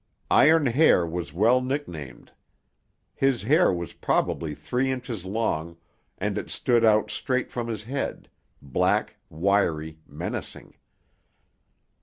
Iron Hair was well nicknamed. His hair was probably three inches long, and it stood out straight from his head—black, wiry, menacing.